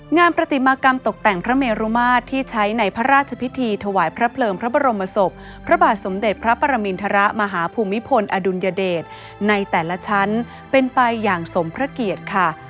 งานปฏิมากรรมตกแต่งพระเมรุมาตรที่ใช้ในพระราชพิธีถวายพระเพลิงพระบรมศพพระบาทสมเด็จพระปรมินทรมาฮภูมิพลอดุลยเดชในแต่ละชั้นเป็นไปอย่างสมพระเกียรติค่ะ